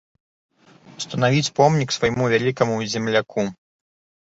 Устанавіць помнік свайму вялікаму земляку.